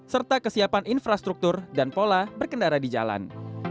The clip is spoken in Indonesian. serta kesiapan infrastruktur dan pola berkendara di jalan